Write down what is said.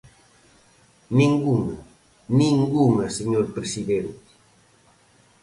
Ningunha, ¡ningunha, señor presidente!